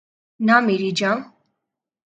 نہ مری جاں